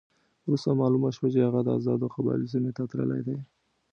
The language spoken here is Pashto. وروسته معلومه شوه چې هغه د آزادو قبایلو سیمې ته تللی دی.